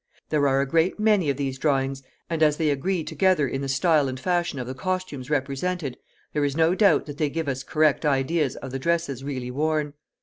There are a great many of these drawings, and, as they agree together in the style and fashion of the costumes represented, there is no doubt that they give us correct ideas of the dresses really worn.